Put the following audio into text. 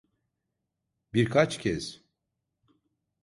Birkaç kez.